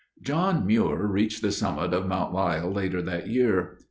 John Muir reached the summit of Mount Lyell later that year.